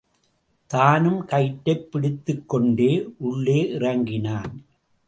தானும் கயிற்றைப் பிடித்துக்கொண்டே உள்ளே இறங்கினான்.